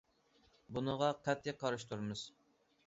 بۇنىڭغا قەتئىي قارشى تۇرىمىز.